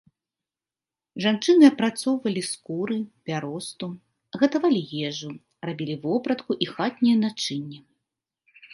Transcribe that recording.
Жанчыны апрацоўвалі скуры, бяросту, гатавалі ежу, рабілі вопратку і хатняе начынне.